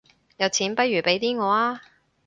有錢不如俾啲我吖